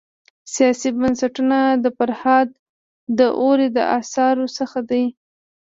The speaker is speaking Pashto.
سیاسي بنسټونه د فرهاد داوري د اثارو څخه دی.